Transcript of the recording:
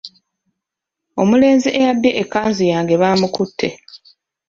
Omulenzi eyabbye ekkanzu yange bamukutte.